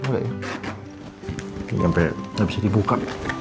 sampai gak bisa dibuka